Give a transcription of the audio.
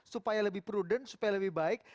supaya lebih prudent supaya lebih baik